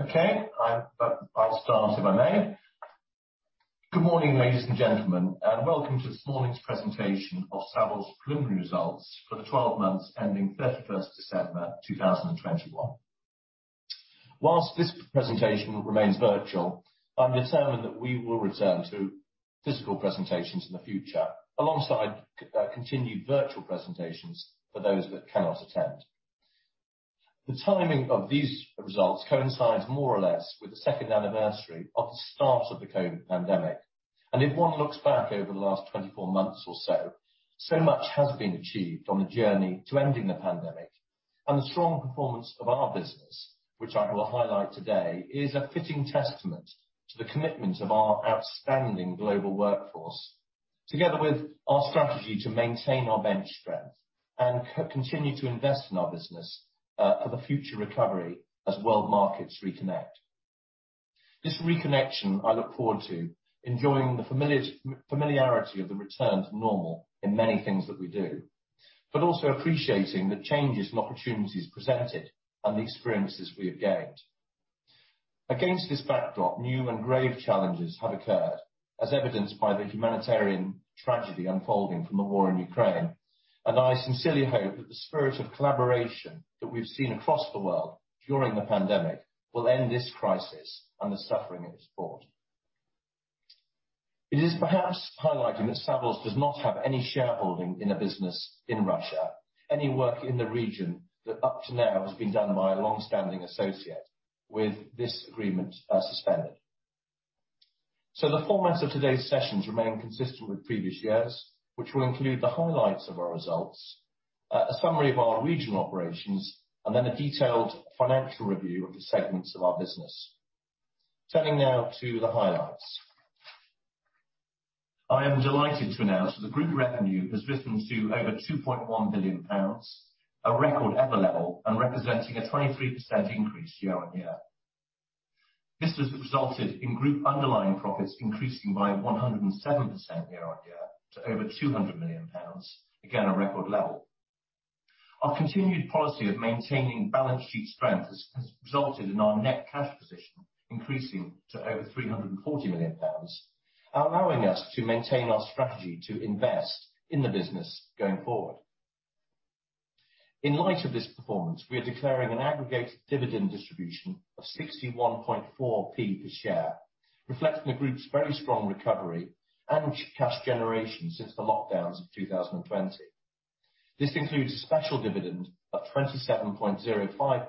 Okay. I'll start if I may. Good morning, ladies and gentlemen, and welcome to this morning's presentation of Savills preliminary results for the 12 months ending 31st December 2021. While this presentation remains virtual, I'm determined that we will return to physical presentations in the future alongside continued virtual presentations for those that cannot attend. The timing of these results coincides more or less with the second anniversary of the start of the COVID pandemic. If one looks back over the last 24 months or so much has been achieved on the journey to ending the pandemic. The strong performance of our business, which I will highlight today, is a fitting testament to the commitment of our outstanding global workforce, together with our strategy to maintain our bench strength and continue to invest in our business, for the future recovery as world markets reconnect. This reconnection I look forward to enjoying the familiarity of the return to normal in many things that we do, but also appreciating the changes and opportunities presented and the experiences we have gained. Against this backdrop, new and grave challenges have occurred, as evidenced by the humanitarian tragedy unfolding from the war in Ukraine, and I sincerely hope that the spirit of collaboration that we've seen across the world during the pandemic will end this crisis and the suffering it has brought. It is perhaps highlighting that Savills does not have any shareholding in a business in Russia. Any work in the region that up to now has been done by a long-standing associate, with this agreement, suspended. The formats of today's sessions remain consistent with previous years, which will include the highlights of our results, a summary of our regional operations, and then a detailed financial review of the segments of our business. Turning now to the highlights. I am delighted to announce that the group revenue has risen to over 2.1 billion pounds, a record ever level and representing a 23% increase year-on-year. This has resulted in group underlying profits increasing by 107% year-on-year to over 200 million pounds. Again, a record level. Our continued policy of maintaining balance sheet strength has resulted in our net cash position increasing to over 340 million pounds, allowing us to maintain our strategy to invest in the business going forward. In light of this performance, we are declaring an aggregated dividend distribution of 0.614 per share, reflecting the group's very strong recovery and cash generation since the lockdowns of 2020. This includes a special dividend of 0.2705,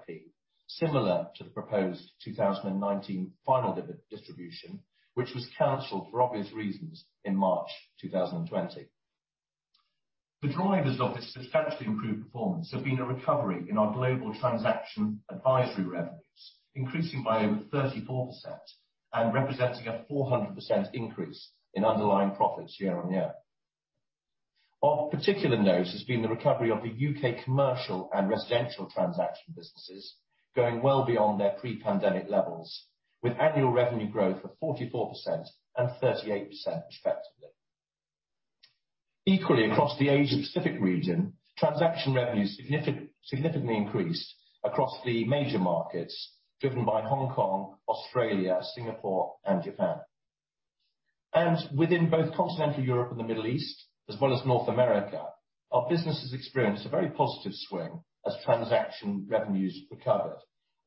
similar to the proposed 2019 final distribution, which was canceled for obvious reasons in March 2020. The drivers of this substantially improved performance have been a recovery in our global transaction advisory revenues, increasing by over 34% and representing a 400% increase in underlying profits year-over-year. Of particular note has been the recovery of the U.K. commercial and residential transaction businesses, going well beyond their pre-pandemic levels, with annual revenue growth of 44% and 38% respectively. Equally, across the Asia Pacific region, transaction revenues significantly increased across the major markets driven by Hong Kong, Australia, Singapore and Japan. Within both Continental Europe and the Middle East, as well as North America, our business has experienced a very positive swing as transaction revenues recovered,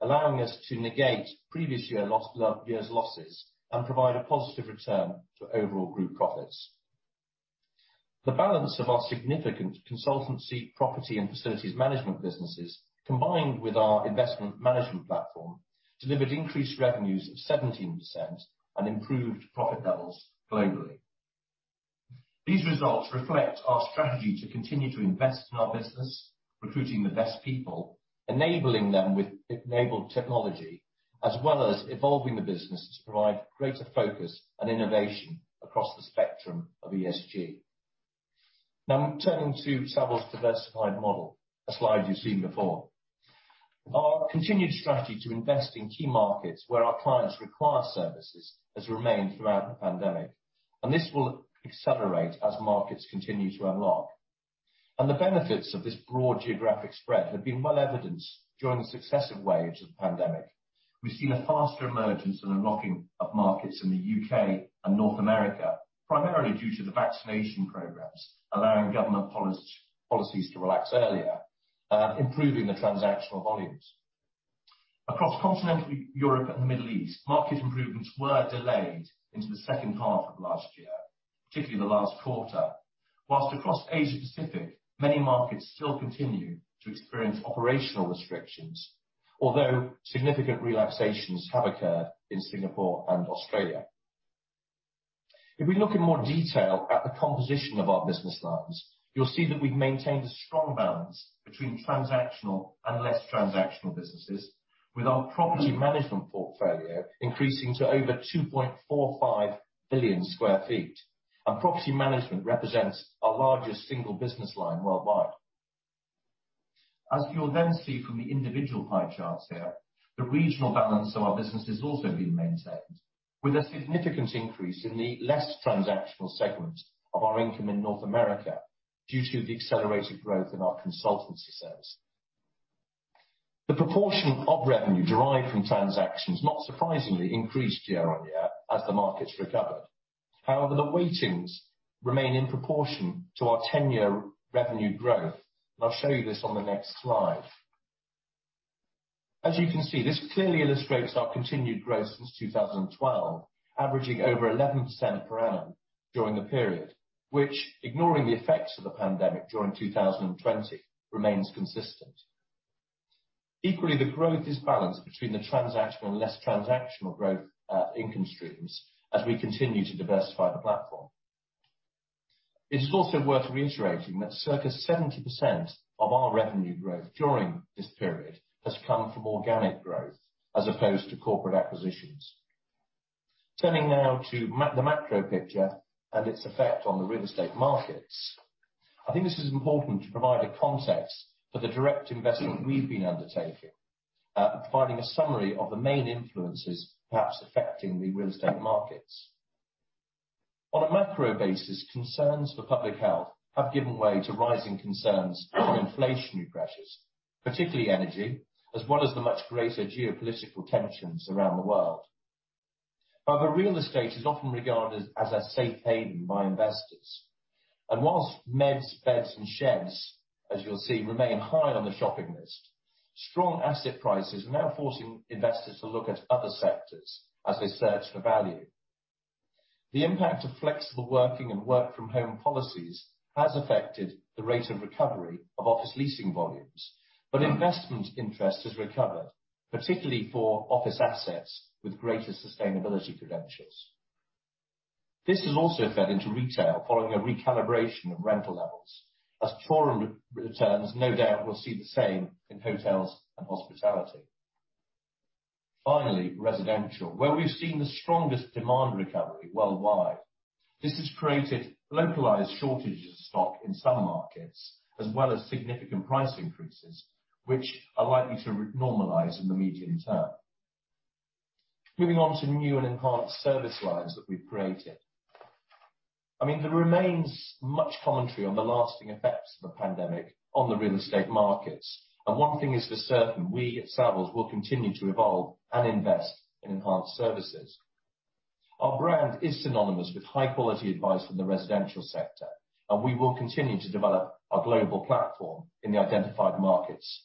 allowing us to negate previous year loss, year's losses and provide a positive return to overall group profits. The balance of our significant consultancy, property and facilities management businesses, combined with our investment management platform, delivered increased revenues of 17% and improved profit levels globally. These results reflect our strategy to continue to invest in our business, recruiting the best people, enabling them with enabled technology, as well as evolving the business to provide greater focus and innovation across the spectrum of ESG. Now, turning to Savills diversified model, a slide you've seen before. Our continued strategy to invest in key markets where our clients require services has remained throughout the pandemic, and this will accelerate as markets continue to unlock. The benefits of this broad geographic spread have been well evidenced during the successive waves of the pandemic. We've seen a faster emergence and unlocking of markets in the U.K. and North America, primarily due to the vaccination programs allowing government policies to relax earlier, improving the transactional volumes. Across continental Europe and the Middle East, market improvements were delayed into the second half of last year, particularly the last quarter. While across Asia Pacific, many markets still continue to experience operational restrictions, although significant relaxations have occurred in Singapore and Australia. If we look in more detail at the composition of our business lines, you'll see that we've maintained a strong balance between transactional and less transactional businesses with our property management portfolio increasing to over 2.45 billion sq ft. Property Management represents our largest single business line worldwide. As you'll then see from the individual pie charts here, the regional balance of our business has also been maintained, with a significant increase in the less transactional segment of our income in North America due to the accelerated growth in our consultancy service. The proportion of revenue derived from transactions, not surprisingly, increased year-on-year as the markets recovered. However, the weightings remain in proportion to our ten-year revenue growth. I'll show you this on the next slide. As you can see, this clearly illustrates our continued growth since 2012, averaging over 11% per annum during the period, which, ignoring the effects of the pandemic during 2020, remains consistent. Equally, the growth is balanced between the transactional and less transactional growth income streams as we continue to diversify the platform. It is also worth reiterating that circa 70% of our revenue growth during this period has come from organic growth as opposed to corporate acquisitions. Turning now to the macro picture and its effect on the real estate markets. I think this is important to provide a context for the direct investment we've been undertaking, providing a summary of the main influences perhaps affecting the real estate markets. On a macro basis, concerns for public health have given way to rising concerns for inflationary pressures, particularly energy, as well as the much greater geopolitical tensions around the world. However, real estate is often regarded as a safe haven by investors. While meds, beds and sheds, as you'll see, remain high on the shopping list, strong asset prices are now forcing investors to look at other sectors as they search for value. The impact of flexible working and work from home policies has affected the rate of recovery of office leasing volumes, but investment interest has recovered, particularly for office assets with greater sustainability credentials. This has also fed into retail following a recalibration of rental levels as [rural] returns no doubt will see the same in hotels and hospitality. Finally, residential, where we've seen the strongest demand recovery worldwide. This has created localized shortages of stock in some markets, as well as significant price increases, which are likely to renormalize in the medium term. Moving on to new and enhanced service lines that we've created. I mean, there remains much commentary on the lasting effects of the pandemic on the real estate markets, and one thing is for certain, we at Savills will continue to evolve and invest in enhanced services. Our brand is synonymous with high-quality advice in the residential sector, and we will continue to develop our global platform in the identified markets.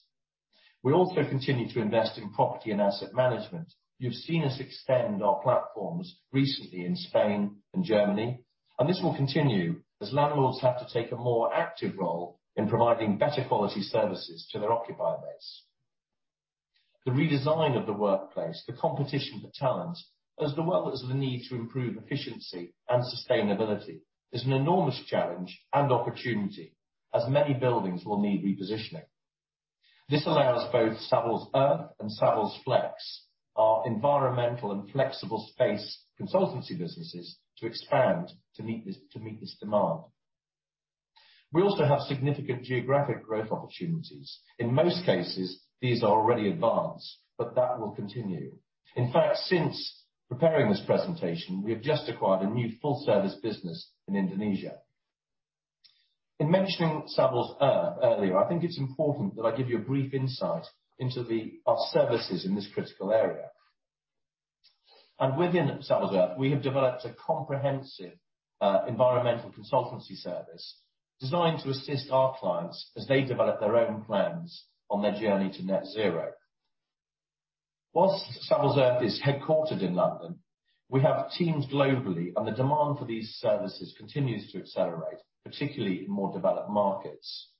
We also continue to invest in property and asset management. You've seen us extend our platforms recently in Spain and Germany, and this will continue as landlords have to take a more active role in providing better quality services to their occupier base. The redesign of the workplace, the competition for talent, as well as the need to improve efficiency and sustainability is an enormous challenge and opportunity as many buildings will need repositioning. This allows both Savills Earth and Savills Flex, our environmental and flexible space consultancy businesses, to expand to meet this demand. We also have significant geographic growth opportunities. In most cases, these are already advanced, but that will continue. In fact, since preparing this presentation, we have just acquired a new full-service business in Indonesia. In mentioning Savills Earth earlier, I think it's important that I give you a brief insight into our services in this critical area. Within Savills Earth, we have developed a comprehensive environmental consultancy service designed to assist our clients as they develop their own plans on their journey to net zero. While Savills Earth is headquartered in London, we have teams globally, and the demand for these services continues to accelerate, particularly in more developed markets.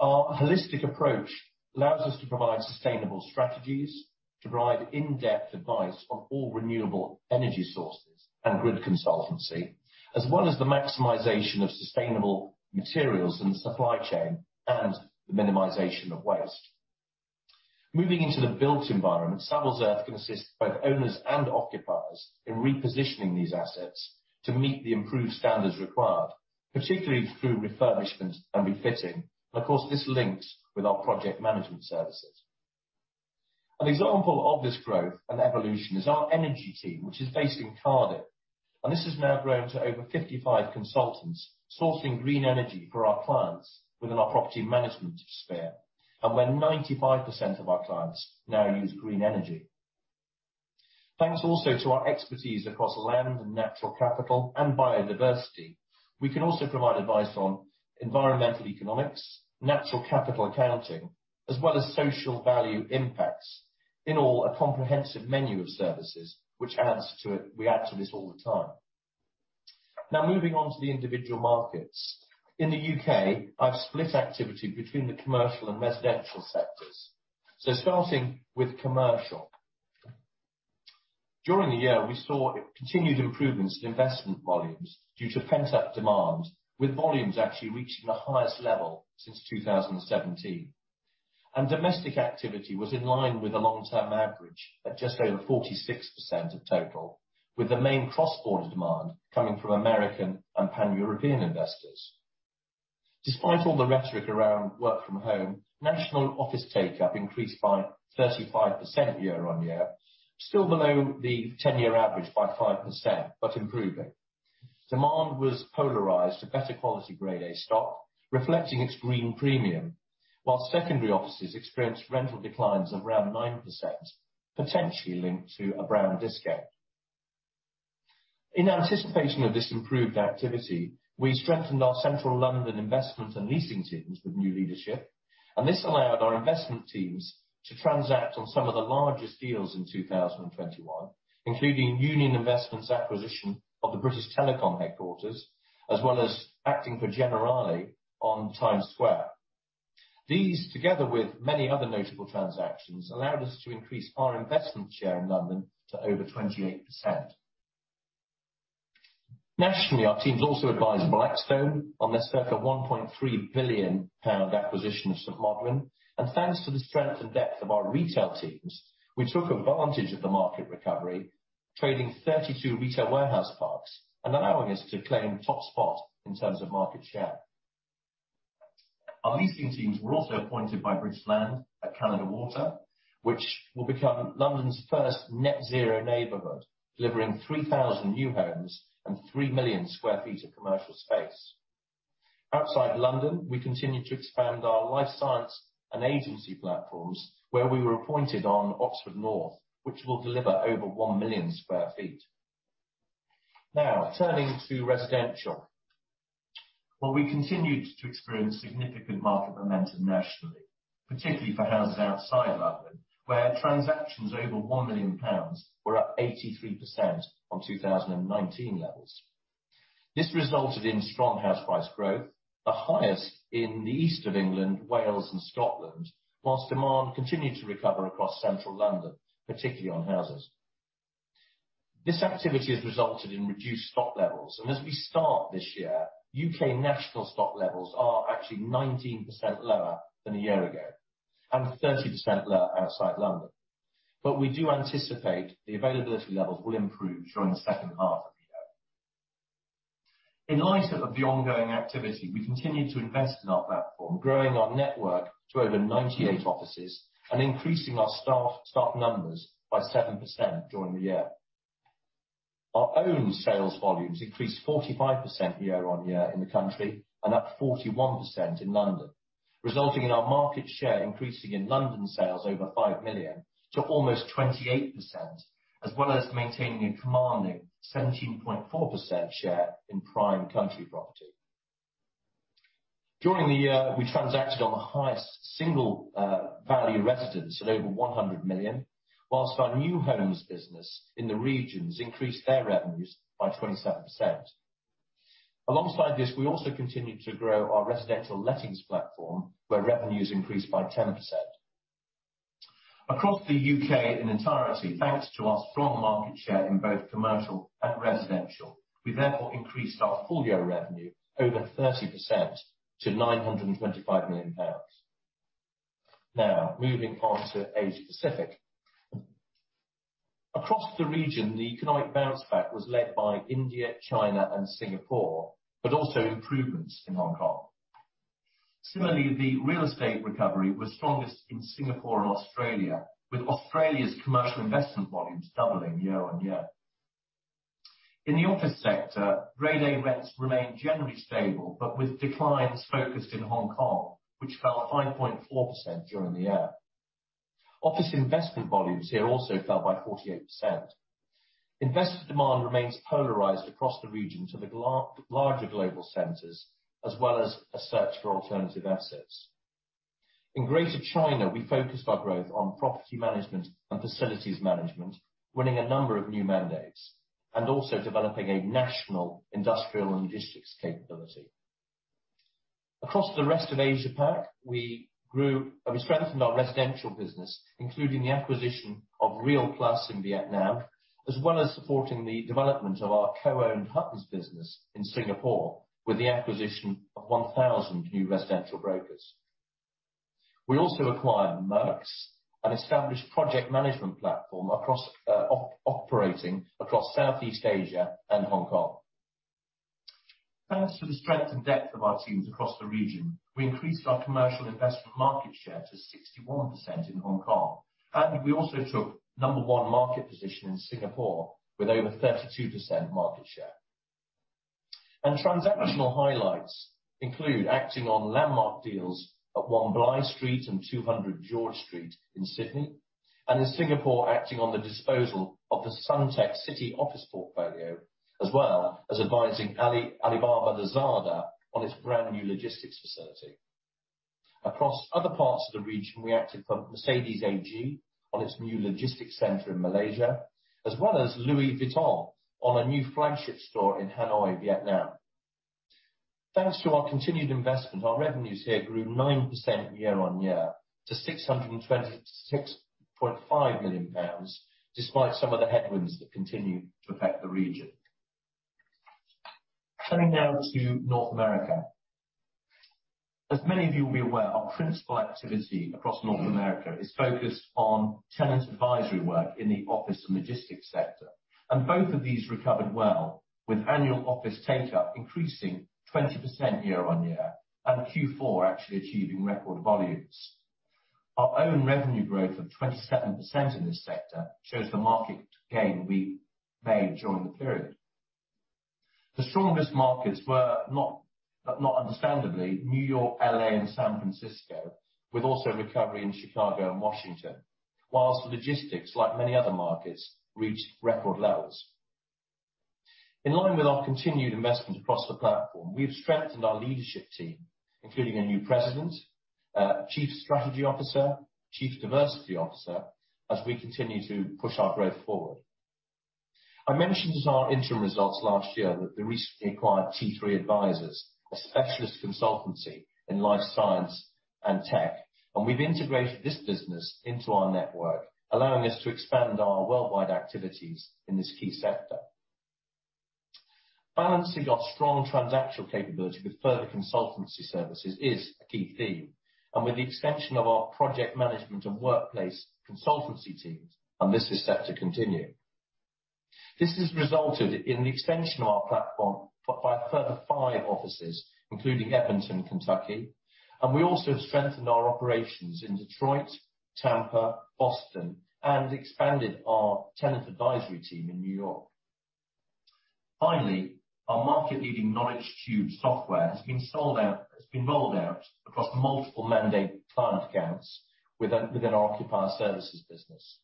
Our holistic approach allows us to provide sustainable strategies, to provide in-depth advice on all renewable energy sources and grid consultancy, as well as the maximization of sustainable materials and supply chain, and the minimization of waste. Moving into the built environment, Savills Earth can assist both owners and occupiers in repositioning these assets to meet the improved standards required, particularly through refurbishment and refitting. Of course, this links with our project management services. An example of this growth and evolution is our energy team, which is based in Cardiff, and this has now grown to over 55 consultants sourcing green energy for our clients within our property management sphere, and where 95% of our clients now use green energy. Thanks also to our expertise across land and natural capital and biodiversity, we can also provide advice on environmental economics, natural capital accounting, as well as social value impacts. In all, a comprehensive menu of services which adds to it. We add to this all the time. Now, moving on to the individual markets. In the U.K., I've split activity between the commercial and residential sectors. Starting with commercial. During the year, we saw continued improvements in investment volumes due to pent-up demand, with volumes actually reaching the highest level since 2017. Domestic activity was in line with the long-term average at just over 46% of total, with the main cross-border demand coming from American and Pan-European investors. Despite all the rhetoric around work from home, national office take up increased by 35% year-on-year, still below the 10-year average by 5%, but improving. Demand was polarized to better quality Grade A stock, reflecting its green premium, while secondary offices experienced rental declines of around 9%, potentially linked to a brown discount. In anticipation of this improved activity, we strengthened our central London investment and leasing teams with new leadership, and this allowed our investment teams to transact on some of the largest deals in 2021, including Union Investment's acquisition of the British Telecom headquarters, as well as acting for Generali on Times Square. These, together with many other notable transactions, allowed us to increase our investment share in London to over 28%. Nationally, our teams also advised Blackstone on their circa 1.3 billion pound acquisition of St. Modwen. Thanks to the strength and depth of our retail teams, we took advantage of the market recovery, trading 32 retail warehouse parks and allowing us to claim top spot in terms of market share. Our leasing teams were also appointed by British Land at Canada Water, which will become London's first net zero neighborhood, delivering 3,000 new homes and 3 million sq ft of commercial space. Outside London, we continue to expand our life science and agency platforms, where we were appointed on Oxford North, which will deliver over 1 million sq ft. Now, turning to residential. Well, we continued to experience significant market momentum nationally, particularly for houses outside London, where transactions over 1 million pounds were up 83% on 2019 levels. This resulted in strong house price growth, the highest in the East of England, Wales and Scotland. While demand continued to recover across central London, particularly on houses. This activity has resulted in reduced stock levels. As we start this year, U.K. national stock levels are actually 19% lower than a year ago and 30% lower outside London. We do anticipate the availability levels will improve during the second half of the year. In light of the ongoing activity, we continued to invest in our platform, growing our network to over 98 offices and increasing our staff numbers by 7% during the year. Our own sales volumes increased 45% year-on-year in the country and up 41% in London, resulting in our market share increasing in London sales over 5 million to almost 28%, as well as maintaining a commanding 17.4% share in prime country property. During the year, we transacted on the highest single value residence at over 100 million, while our new homes business in the regions increased their revenues by 27%. Alongside this, we also continued to grow our residential lettings platform, where revenues increased by 10%. Across the U.K. in entirety, thanks to our strong market share in both commercial and residential, we therefore increased our full-year revenue over 30% to 925 million pounds. Now, moving on to Asia Pacific. Across the region, the economic bounce back was led by India, China and Singapore, but also improvements in Hong Kong. Similarly, the real estate recovery was strongest in Singapore and Australia, with Australia's commercial investment volumes doubling year on year. In the office sector, Grade A rents remained generally stable, but with declines focused in Hong Kong, which fell 5.4% during the year. Office investment volumes here also fell by 48%. Investor demand remains polarized across the region to the larger global centers, as well as a search for alternative assets. In Greater China, we focused our growth on Property Management and Facilities Management, winning a number of new mandates, and also developing a national industrial and logistics capability. Across the rest of Asia Pac, we grew, and we strengthened our residential business, including the acquisition of RealPlus in Vietnam, as well as supporting the development of our co-owned Huttons business in Singapore with the acquisition of 1,000 new residential brokers. We also acquired Merx, an established project management platform operating across Southeast Asia and Hong Kong. Thanks to the strength and depth of our teams across the region, we increased our commercial investment market share to 61% in Hong Kong, and we also took number one market position in Singapore with over 32% market share. Transactional highlights include acting on landmark deals at One Bligh Street and 200 George Street in Sydney, and in Singapore, acting on the disposal of the Suntec City office portfolio, as well as advising Alibaba Lazada on its brand new logistics facility. Across other parts of the region, we acted for Mercedes AG on its new logistics center in Malaysia, as well as Louis Vuitton on a new flagship store in Hanoi, Vietnam. Thanks to our continued investment, our revenues here grew 9% year-on-year to 626.5 million pounds, despite some of the headwinds that continue to affect the region. Turning now to North America. As many of you will be aware, our principal activity across North America is focused on tenant advisory work in the office and logistics sector. Both of these recovered well, with annual office take-up increasing 20% year-on-year, and Q4 actually achieving record volumes. Our own revenue growth of 27% in this sector shows the market gain we made during the period. The strongest markets were notable, but not unsurprisingly, New York, L.A., and San Francisco, with recovery also in Chicago and Washington. While logistics, like many other markets, reached record levels. In line with our continued investment across the platform, we've strengthened our leadership team, including a new President, Chief Strategy Officer, Chief Diversity Officer, as we continue to push our growth forward. I mentioned in our interim results last year that the recently acquired T3 Advisors, a specialist consultancy in life science and tech, and we've integrated this business into our network, allowing us to expand our worldwide activities in this key sector. Balancing our strong transactional capability with further consultancy services is a key theme, and with the expansion of our project management and workplace consultancy teams, and this is set to continue. This has resulted in the extension of our platform by a further five offices, including Edmonton, Kentucky, and we also have strengthened our operations in Detroit, Tampa, Boston, and expanded our tenant advisory team in New York. Finally, our market-leading Knowledge Cubed software has been rolled out across multiple mandate client accounts within our occupier services business.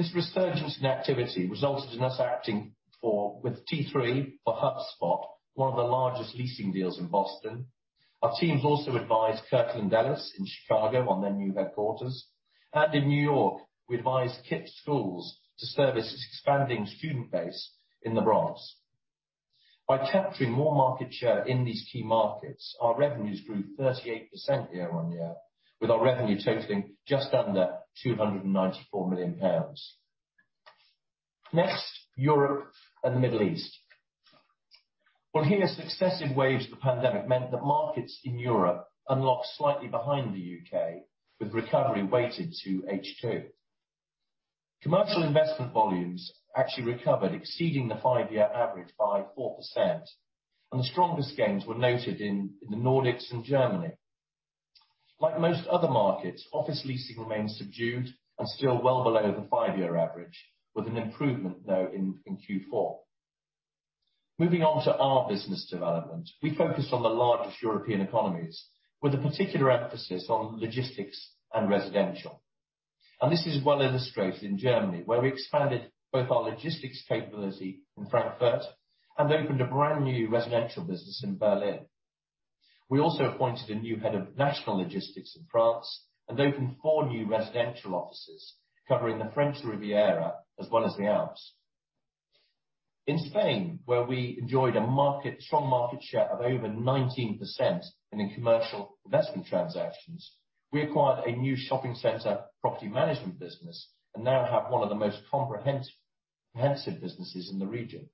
This resurgence in activity resulted in us acting for, with T3 for HubSpot, one of the largest leasing deals in Boston. Our teams also advised Kirkland & Ellis in Chicago on their new headquarters. In New York, we advised KIPP NYC to service its expanding student base in the Bronx. By capturing more market share in these key markets, our revenues grew 38% year-on-year, with our revenue totaling just under 294 million pounds. Next, Europe and the Middle East. Well, here, successive waves of the pandemic meant that markets in Europe unlocked slightly behind the U.K., with recovery weighted to H2. Commercial investment volumes actually recovered, exceeding the five-year average by 4%, and the strongest gains were noted in the Nordics and Germany. Like most other markets, office leasing remained subdued and still well below the five-year average, with an improvement, though, in Q4. Moving on to our business development. We focused on the largest European economies, with a particular emphasis on logistics and residential. This is well illustrated in Germany, where we expanded both our logistics capability in Frankfurt and opened a brand-new residential business in Berlin. We also appointed a new head of national logistics in France and opened four new residential offices covering the French Riviera as well as the Alps. In Spain, where we enjoyed a strong market share of over 19% in the commercial investment transactions, we acquired a new shopping center property management business, and now have one of the most comprehensive businesses in the region.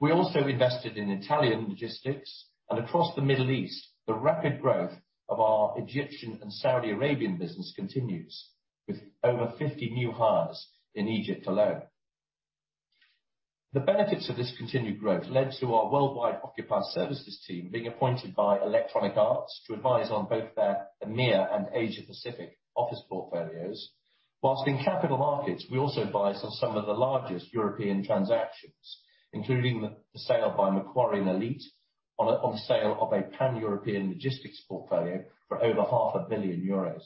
We also invested in Italian logistics, and across the Middle East, the rapid growth of our Egyptian and Saudi Arabian business continues, with over 50 new hires in Egypt alone. The benefits of this continued growth led to our worldwide occupier services team being appointed by Electronic Arts to advise on both their EMEA and Asia Pacific office portfolios, while in capital markets, we also advised on some of the largest European transactions, including the sale by Macquarie and Elite of a Pan-European logistics portfolio for over 500 million euros.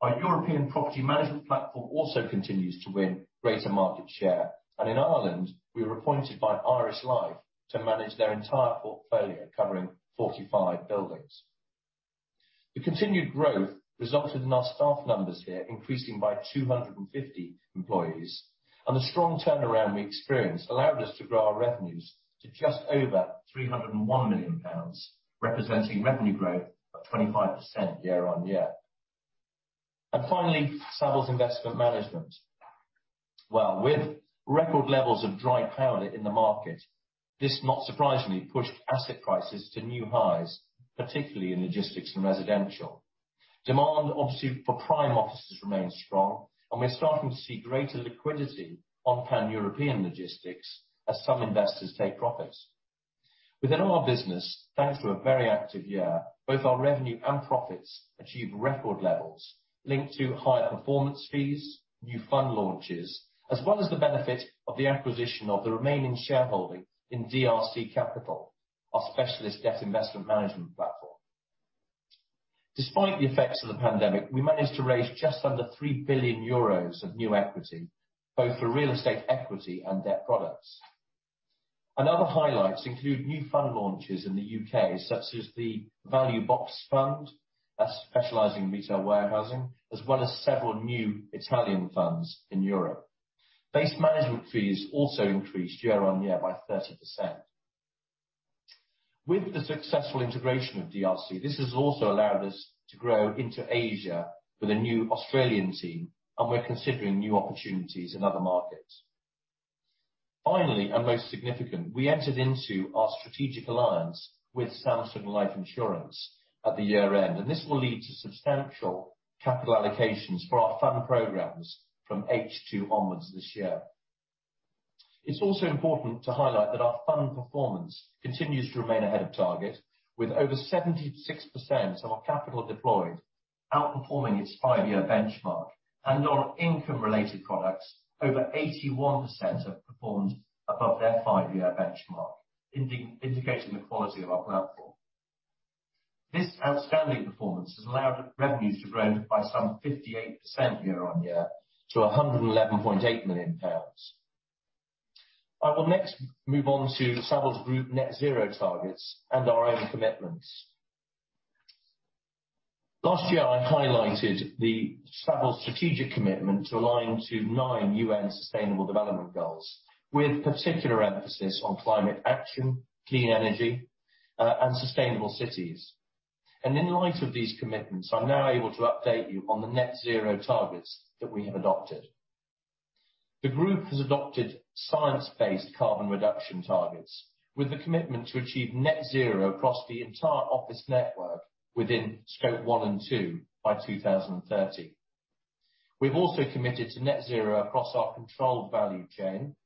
Our European property management platform also continues to win greater market share, and in Ireland, we were appointed by Irish Life to manage their entire portfolio, covering 45 buildings. The continued growth resulted in our staff numbers here increasing by 250 employees, and the strong turnaround we experienced allowed us to grow our revenues to just over 301 million pounds, representing revenue growth of 25% year-over-year. Savills Investment Management. Well, with record levels of dry powder in the market, this, not surprisingly, pushed asset prices to new highs, particularly in logistics and residential. Demand obviously for prime offices remains strong, and we're starting to see greater liquidity on Pan-European logistics as some investors take profits. Within our business, thanks to a very active year, both our revenue and profits achieve record levels linked to higher performance fees, new fund launches, as well as the benefit of the acquisition of the remaining shareholding in DRC Capital, our specialist debt investment management platform. Despite the effects of the pandemic, we managed to raise just under 3 billion euros of new equity, both for real estate equity and debt products. Other highlights include new fund launches in the U.K., such as the Value Boxes Fund, that's specializing in retail warehousing, as well as several new Italian funds in Europe. Base management fees also increased year-on-year by 30%. With the successful integration of DRC, this has also allowed us to grow into Asia with a new Australian team, and we're considering new opportunities in other markets. Finally, and most significant, we entered into our strategic alliance with Samsung Life Insurance at the year-end, and this will lead to substantial capital allocations for our fund programs from H2 onwards this year. It's also important to highlight that our fund performance continues to remain ahead of target, with over 76% of our capital deployed outperforming its five-year benchmark. On income related products, over 81% have performed above their five-year benchmark, indicating the quality of our platform. This outstanding performance has allowed revenues to grow by some 58% year-on-year to 111.8 million pounds. I will next move on to Savills Group net zero targets and our own commitments. Last year, I highlighted the Savills strategic commitment to align to nine UN Sustainable Development Goals with particular emphasis on climate action, clean energy, and sustainable cities. In light of these commitments, I'm now able to update you on the net zero targets that we have adopted. The group has adopted science-based carbon reduction targets, with the commitment to achieve net zero across the entire office network within Scope 1 and 2 by 2030. We've also committed to net zero across our controlled value chain,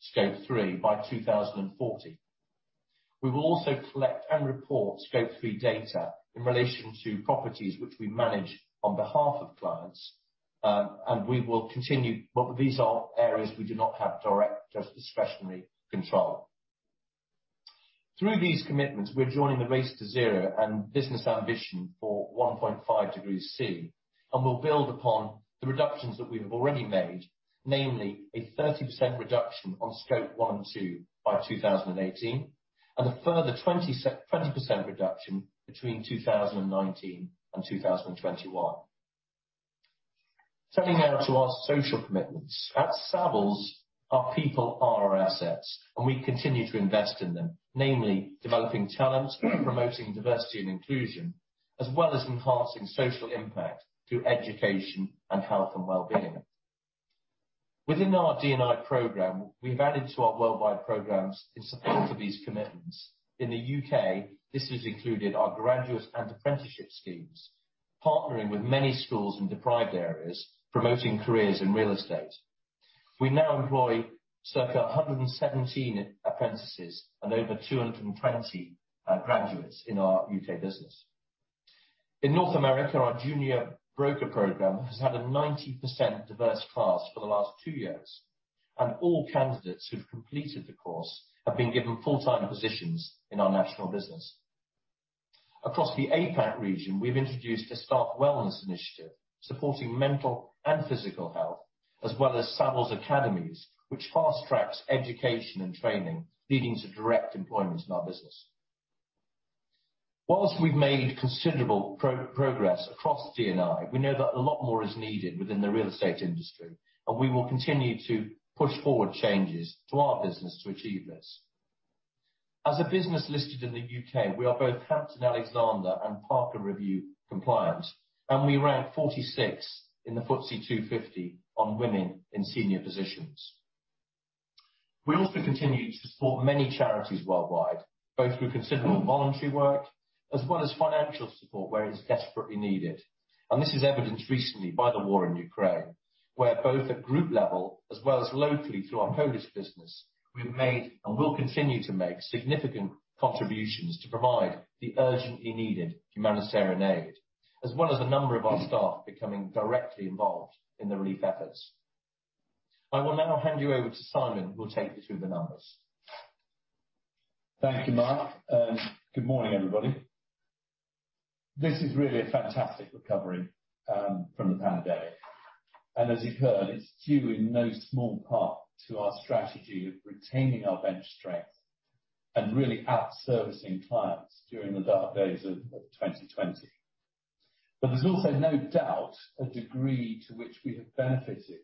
Scope 3, by 2040. We will also collect and report Scope 3 data in relation to properties which we manage on behalf of clients, and we will continue. But these are areas we do not have direct discretionary control. Through these commitments, we're joining the Race to Zero and Business Ambition for 1.5 degrees C, and we'll build upon the reductions that we have already made, namely a 30% reduction on Scope 1 and 2 by 2018, and a further 20% reduction between 2019 and 2021. Turning now to our social commitments. At Savills, our people are our assets, and we continue to invest in them, namely developing talent, promoting diversity and inclusion, as well as enhancing social impact through education and health and wellbeing. Within our D&I program, we've added to our worldwide programs in support of these commitments. In the U.K., this has included our graduates and apprenticeship schemes, partnering with many schools in deprived areas, promoting careers in real estate. We now employ circa 117 apprentices and over 220 graduates in our U.K. business. In North America, our junior broker program has had a 90% diverse class for the last two years, and all candidates who have completed the course have been given full-time positions in our national business. Across the APAC region, we've introduced a staff wellness initiative supporting mental and physical health, as well as Savills Academies, which fast-tracks education and training, leading to direct employment in our business. While we've made considerable progress across D&I, we know that a lot more is needed within the real estate industry, and we will continue to push forward changes to our business to achieve this. As a business listed in the U.K., we are both Hampton-Alexander Review and Parker Review compliant, and we rank 46 in the FTSE 250 on women in senior positions. We also continue to support many charities worldwide, both through considerable voluntary work as well as financial support where it's desperately needed. This is evidenced recently by the war in Ukraine, where both at group level as well as locally through our Polish business, we've made, and will continue to make, significant contributions to provide the urgently needed humanitarian aid, as well as a number of our staff becoming directly involved in the relief efforts. I will now hand you over to Simon, who will take you through the numbers. Thank you, Mark, and good morning, everybody. This is really a fantastic recovery from the pandemic. As you heard, it's due in no small part to our strategy of retaining our bench strength and really out-servicing clients during the dark days of 2020. There's also no doubt a degree to which we have benefited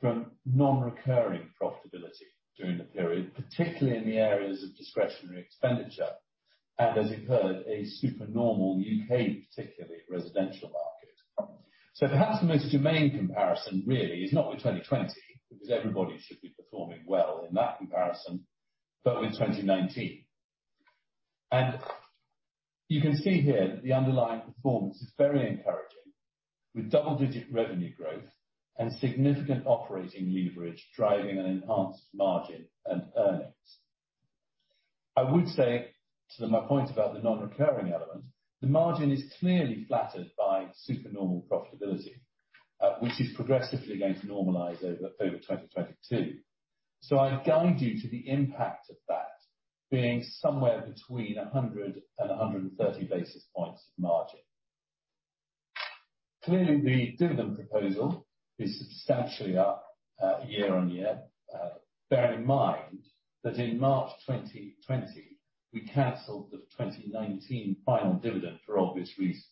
from non-recurring profitability during the period, particularly in the areas of discretionary expenditure, and as you heard, a super normal U.K., particularly, residential market. Perhaps the most germane comparison really is not with 2020, because everybody should be performing well in that comparison, but with 2019. You can see here that the underlying performance is very encouraging. With double-digit revenue growth and significant operating leverage driving an enhanced margin and earnings. I would say to my point about the non-recurring element, the margin is clearly flattered by supernormal profitability, which is progressively going to normalize over 2022. I guide you to the impact of that being somewhere between 100 and 130 basis points of margin. Clearly, the dividend proposal is substantially up year-on-year. Bear in mind that in March 2020, we canceled the 2019 final dividend for obvious reasons.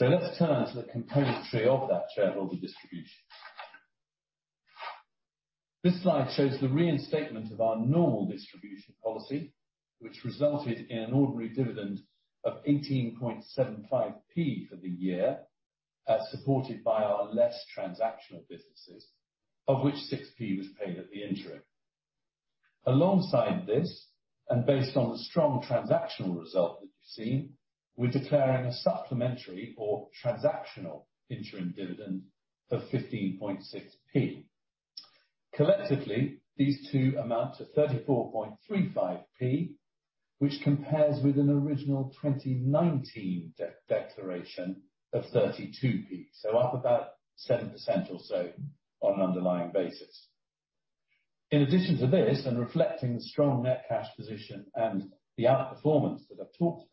Let's turn to the components of that shareholder distribution. This slide shows the reinstatement of our normal distribution policy, which resulted in an ordinary dividend of 0.1875 for the year. Supported by our less transactional businesses, of which 0.6 was paid at the interim. Alongside this, and based on the strong transactional result that you've seen, we're declaring a supplementary or transactional interim dividend of 0.156. Collectively, these two amount to 0.3435, which compares with an original 2019 declaration of 0.32. Up about 7% or so on an underlying basis. In addition to this, and reflecting the strong net cash position and the outperformance that I've talked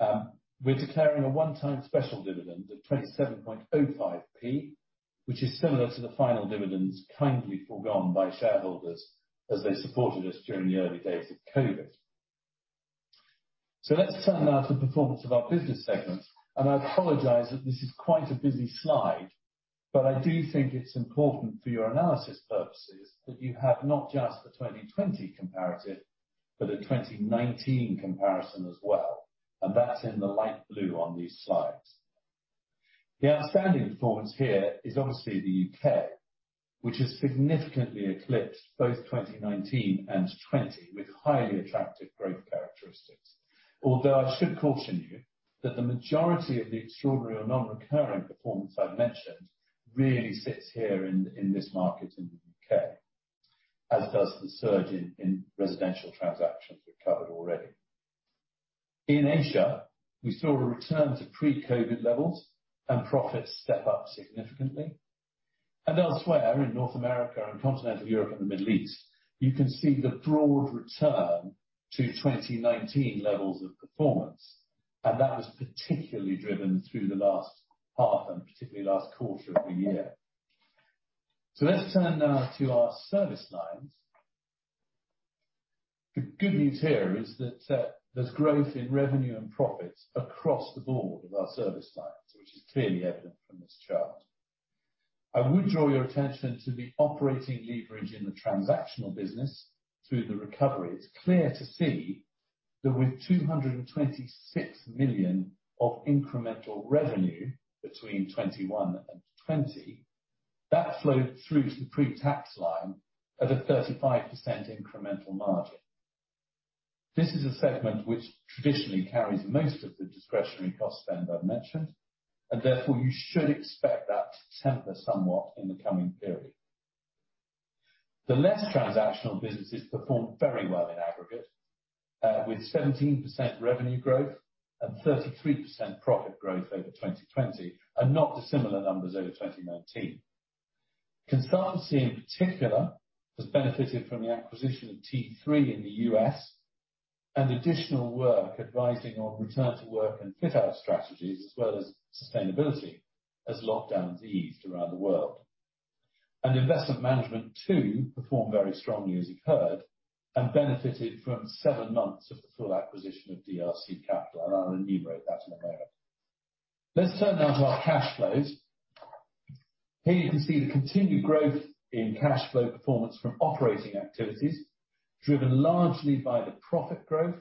about, we're declaring a one-time special dividend of 0.2705, which is similar to the final dividends kindly foregone by shareholders as they supported us during the early days of COVID. Let's turn now to performance of our business segments, and I apologize that this is quite a busy slide, but I do think it's important for your analysis purposes that you have not just the 2020 comparative, but a 2019 comparison as well, and that's in the light blue on these slides. The outstanding performance here is obviously the U.K., which has significantly eclipsed both 2019 and 2020 with highly attractive growth characteristics. Although I should caution you that the majority of the extraordinary or non-recurring performance I've mentioned really sits here in this market in the U.K., as does the surge in residential transactions we've covered already. In Asia, we saw a return to pre-COVID levels and profits step up significantly. Elsewhere, in North America and Continental Europe and the Middle East, you can see the broad return to 2019 levels of performance, and that was particularly driven through the last half and particularly last quarter of the year. Let's turn now to our service lines. The good news here is that, there's growth in revenue and profits across the board of our service lines, which is clearly evident from this chart. I would draw your attention to the operating leverage in the transactional business through the recovery. It's clear to see that with 226 million of incremental revenue between 2021 and 2020, that flowed through to the pre-tax line at a 35% incremental margin. This is a segment which traditionally carries most of the discretionary cost spend I've mentioned, and therefore you should expect that to temper somewhat in the coming period. The less transactional businesses performed very well in aggregate, with 17% revenue growth and 33% profit growth over 2020, and not dissimilar numbers over 2019. Consultancy, in particular, has benefited from the acquisition of T3 in the U.S. and additional work advising on return to work and fit-out strategies as well as sustainability as lockdowns eased around the world. Investment Management too performed very strongly, as you've heard, and benefited from seven months of the full acquisition of DRC Capital, and I'll enumerate that in a moment. Let's turn now to our cash flows. Here you can see the continued growth in cash flow performance from operating activities driven largely by the profit growth,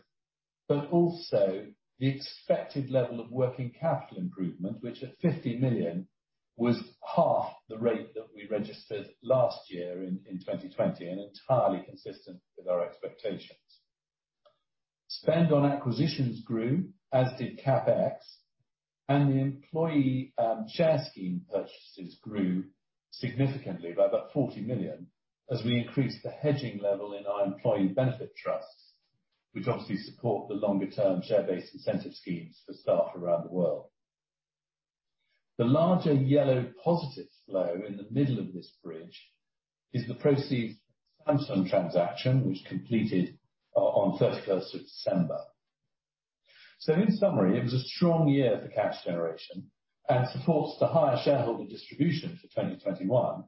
but also the expected level of working capital improvement, which at 50 million was half the rate that we registered last year in 2020 and entirely consistent with our expectations. Spend on acquisitions grew, as did CapEx, and the employee share scheme purchases grew significantly by about 40 million as we increased the hedging level in our employee benefit trusts, which obviously support the longer-term share-based incentive schemes for staff around the world. The larger yellow positive flow in the middle of this bridge is the proceeds from the Samsung transaction, which completed on 31st of December. In summary, it was a strong year for cash generation and supports the higher shareholder distribution for 2021.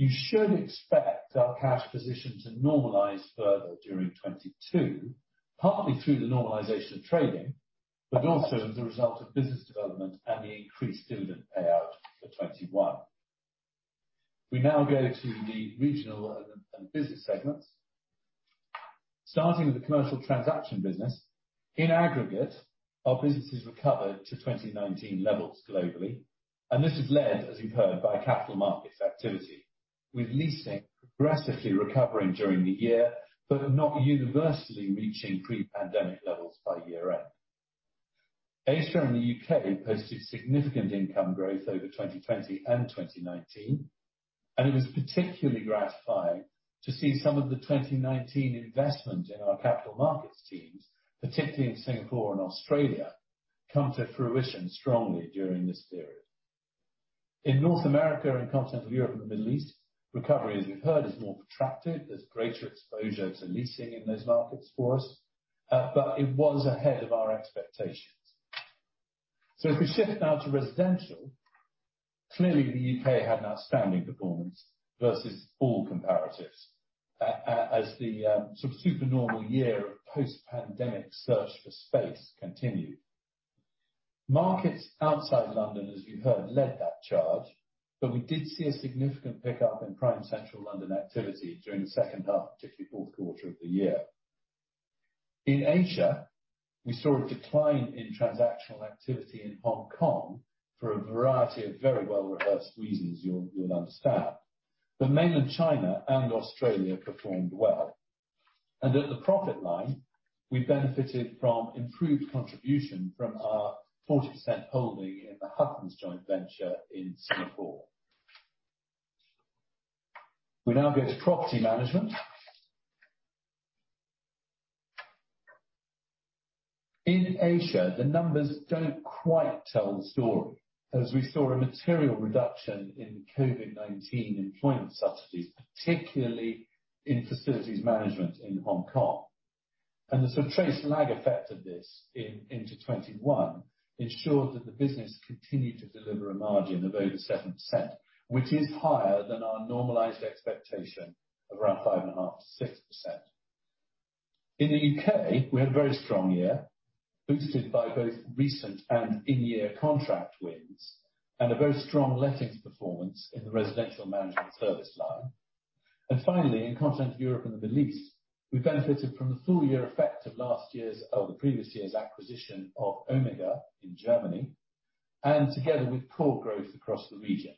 You should expect our cash position to normalize further during 2022, partly through the normalization of trading, but also as a result of business development and the increased dividend payout for 2021. We now go to the regional and business segments. Starting with the commercial transaction business, in aggregate, our businesses recovered to 2019 levels globally, and this is led, as you heard, by capital markets activity, with leasing progressively recovering during the year, but not universally reaching pre-pandemic levels by year-end. Asia and the U.K. posted significant income growth over 2020 and 2019, and it was particularly gratifying to see some of the 2019 investment in our capital markets teams, particularly in Singapore and Australia, come to fruition strongly during this period. In North America and Continental Europe and the Middle East, recovery, as we've heard, is more protracted. There's greater exposure to leasing in those markets for us, but it was ahead of our expectations. As we shift now to residential, clearly the U.K. had an outstanding performance versus all comparatives as the sort of supernormal year of post-pandemic search for space continued. Markets outside London, as you heard, led that charge, but we did see a significant pickup in prime central London activity during the second half, particularly fourth quarter of the year. In Asia, we saw a decline in transactional activity in Hong Kong for a variety of very well rehearsed reasons you'll understand. Mainland China and Australia performed well. At the profit line, we benefited from improved contribution from our 40% holding in the Huttons joint venture in Singapore. We now go to Property Management. In Asia, the numbers don't quite tell the story, as we saw a material reduction in COVID-19 employment subsidies, particularly in Facilities Management in Hong Kong. The sort of tapered lag effect of this into 2021 ensured that the business continued to deliver a margin of over 7%, which is higher than our normalized expectation of around 5.5%-6%. In the U.K., we had a very strong year, boosted by both recent and in-year contract wins, and a very strong lettings performance in the residential management service line. In Continental Europe and the Middle East, we benefited from the full year effect of the previous year's acquisition of OMEGA in Germany, and together with core growth across the region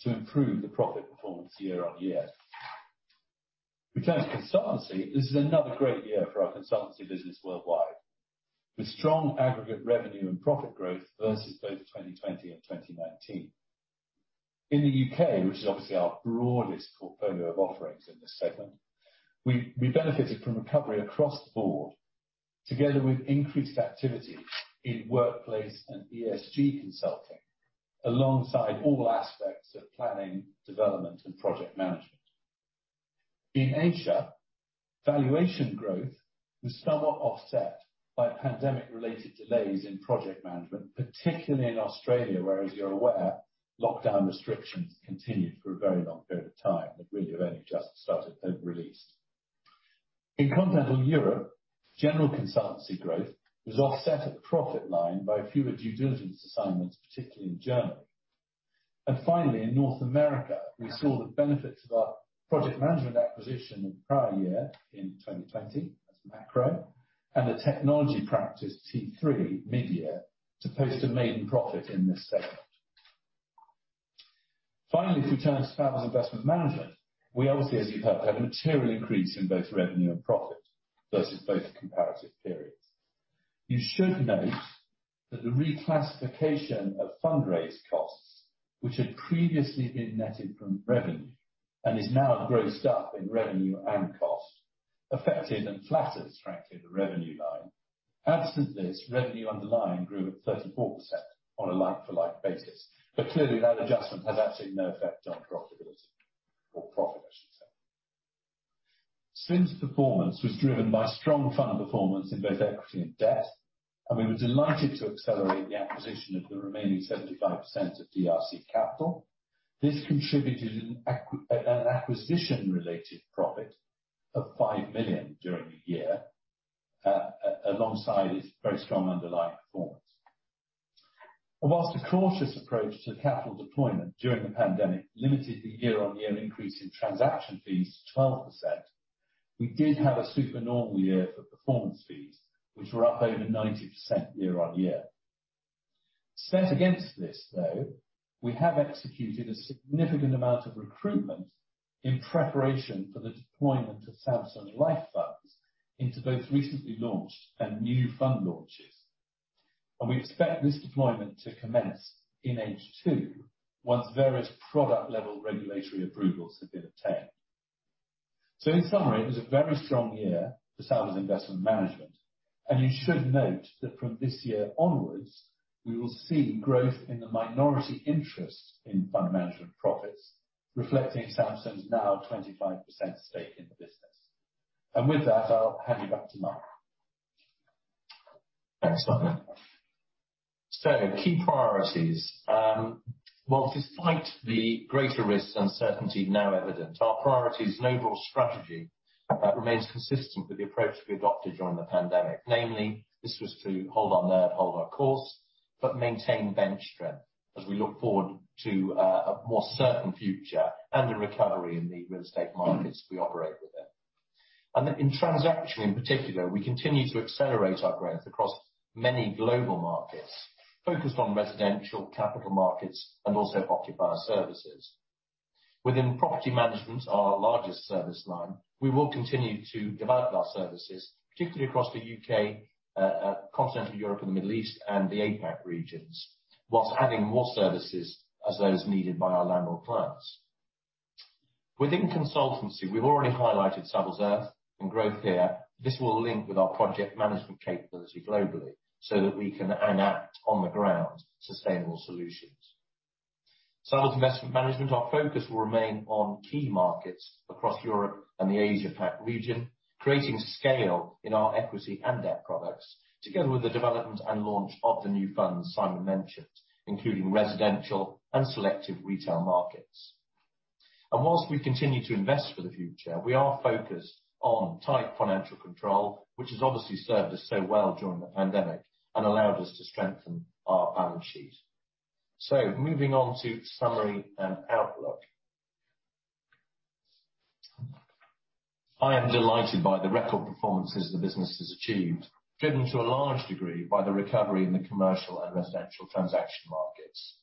to improve the profit performance year-on-year. If we turn to Consultancy, this is another great year for our consultancy business worldwide with strong aggregate revenue and profit growth versus both 2020 and 2019. In the U.K., which is obviously our broadest portfolio of offerings in this segment, we benefited from recovery across the board together with increased activity in workplace and ESG consulting, alongside all aspects of planning, development, and project management. In Asia, valuation growth was somewhat offset by pandemic-related delays in project management, particularly in Australia, where as you're aware, lockdown restrictions continued for a very long period of time, that really have only just started to release. In Continental Europe, general consultancy growth was offset at the profit line by fewer due diligence assignments, particularly in Germany. Finally, in North America, we saw the benefits of our project management acquisition in the prior year in 2020 as Macro, and the technology practice T3 mid-year to post a maiden profit in this segment. Finally, if we turn to Savills Investment Management, we obviously, as you've heard, had a material increase in both revenue and profit versus both comparative periods. You should note that the reclassification of fundraise costs, which had previously been netted from revenue and is now grossed up in revenue and cost, affected and flattered, frankly, the revenue line. Absent this, revenue underlying grew at 34% on a like-for-like basis. Clearly, that adjustment has absolutely no effect on profitability or profit, I should say. SIM's performance was driven by strong fund performance in both equity and debt, and we were delighted to accelerate the acquisition of the remaining 75% of DRC Capital. This contributed an acquisition-related profit of 5 million during the year, alongside its very strong underlying performance. While a cautious approach to capital deployment during the pandemic limited the year-on-year increase in transaction fees to 12%, we did have a supernormal year for performance fees, which were up over 90% year-on-year. Set against this, though, we have executed a significant amount of recruitment in preparation for the deployment of Samsung Life funds into both recently launched and new fund launches. We expect this deployment to commence in H2 once various product-level regulatory approvals have been obtained. In summary, it was a very strong year for Savills Investment Management, and you should note that from this year onwards, we will see growth in the minority interest in fund management profits, reflecting Savills now 25% stake in the business. With that, I'll hand you back to Mark. Thanks, Simon. Key priorities. Well, despite the greater risks and uncertainty now evident, our priorities and overall strategy remains consistent with the approach we adopted during the pandemic. Namely, this was to hold our nerve, hold our course, but maintain bench strength as we look forward to a more certain future and a recovery in the real estate markets we operate within. In transaction, in particular, we continue to accelerate our growth across many global markets focused on residential capital markets and also occupier services. Within Property Management, our largest service line, we will continue to develop our services, particularly across the U.K., Continental Europe and the Middle East, and the APAC regions, while adding more services as those needed by our landlord clients. Within Consultancy, we've already highlighted Savills Earth and growth here. This will link with our project management capability globally so that we can enact on-the-ground sustainable solutions. Savills Investment Management, our focus will remain on key markets across Europe and the Asia Pac region, creating scale in our equity and debt products, together with the development and launch of the new funds Simon mentioned, including residential and selective retail markets. While we continue to invest for the future, we are focused on tight financial control, which has obviously served us so well during the pandemic and allowed us to strengthen our balance sheet. Moving on to summary and outlook. I am delighted by the record performances the business has achieved, driven to a large degree by the recovery in the commercial and residential transaction markets.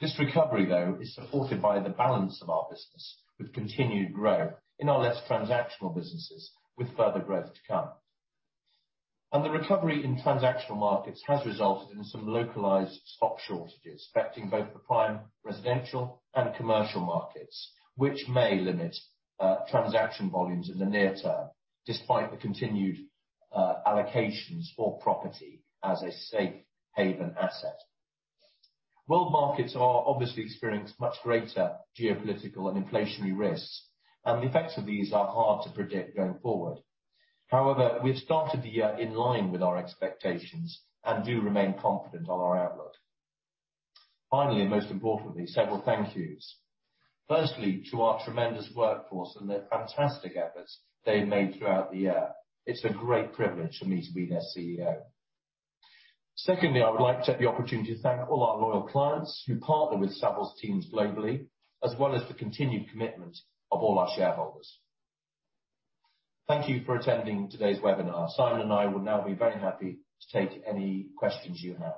This recovery, though, is supported by the balance of our business, with continued growth in our less transactional businesses, with further growth to come. The recovery in transactional markets has resulted in some localized stock shortages, affecting both the prime residential and commercial markets, which may limit transaction volumes in the near term despite the continued allocations for property as a safe haven asset. World markets have obviously experienced much greater geopolitical and inflationary risks, and the effects of these are hard to predict going forward. However, we have started the year in line with our expectations and do remain confident on our outlook. Finally, and most importantly, several thank yous. Firstly, to our tremendous workforce and the fantastic efforts they made throughout the year. It's a great privilege for me to be their CEO. Secondly, I would like to take the opportunity to thank all our loyal clients who partner with Savills teams globally, as well as the continued commitment of all our shareholders. Thank you for attending today's webinar. Simon and I will now be very happy to take any questions you have.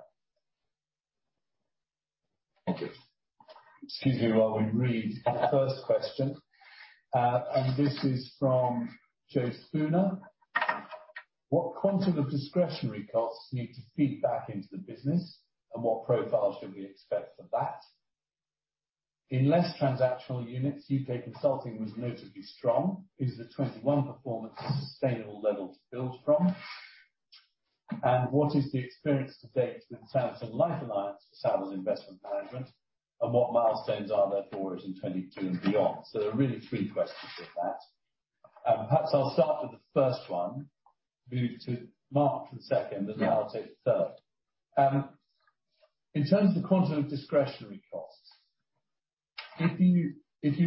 Thank you. Excuse me, while we read the first question, and this is from Joe Spooner. What quantum of discretionary costs need to feed back into the business and what profile should we expect for that? In less transactional units, U.K. consulting was notably strong. Is the 2021 performance sustainable level to build from? And what is the experience to date with Samsung Life Alliance, Savills Investment Management, and what milestones are there for us in 2022 and beyond? There are really three questions in that. Perhaps I'll start with the first one, move to Mark for the second- Yeah. Then I'll take the third. In terms of quantum discretionary costs. This is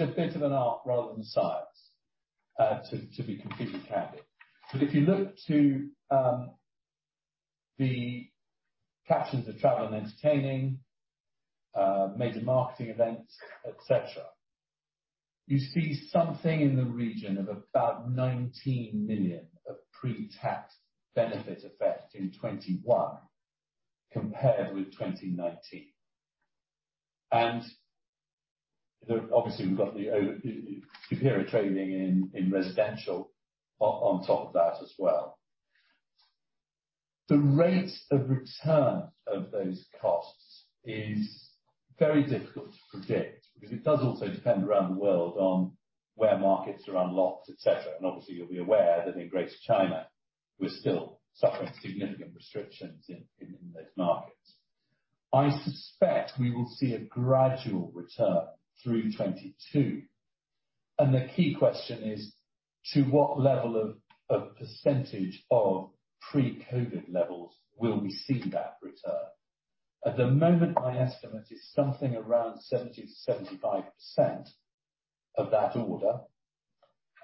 a bit of an art rather than a science, to be completely candid. If you look to the captions of travel and entertaining, major marketing events, etc., you see something in the region of about 19 million pre-tax benefit effect in 2021 compared with 2019. Obviously, we've got our superior trading in residential on top of that as well. The rate of return of those costs is very difficult to predict because it does also depend around the world on where markets are unlocked, etc. Obviously, you'll be aware that in Greater China, we're still suffering significant restrictions in those markets. I suspect we will see a gradual return through 2022. The key question is, to what level of percentage of pre-COVID levels will we see that return? At the moment, my estimate is something around 70%-75% of that order.